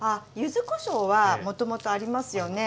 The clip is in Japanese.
柚子こしょうはもともとありますよね。